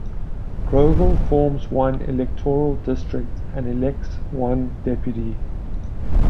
Grouville forms one electoral district and elects one Deputy.